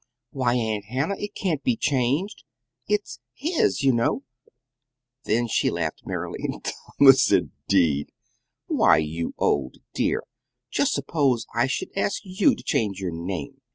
"Why, Aunt Hannah, it can't be changed; it's HIS, you know." Then she laughed merrily. "'Thomas,' indeed! Why, you old dear! just suppose I should ask YOU to change your name!